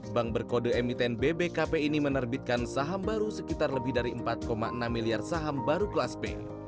bank berkode emiten bbkp ini menerbitkan saham baru sekitar lebih dari empat enam miliar saham baru kelas b